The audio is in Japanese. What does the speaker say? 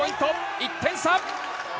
１点差。